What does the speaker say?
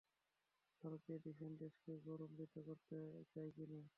ভারতীয় ডিফেন্স দেশকে গৌরবান্বিত করতে চায় কী না!